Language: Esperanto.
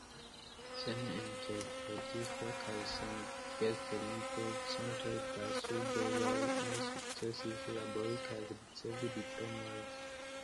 Sen interpretistoj kaj sen gestlingvo, centoj da surduloj ne sukcesus labori kaj ricevi diplomojn.